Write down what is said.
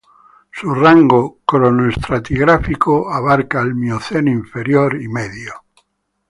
Su rango cronoestratigráfico abarca el Mioceno inferior y medio.